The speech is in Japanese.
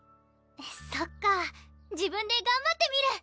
そっか自分で頑張ってみる！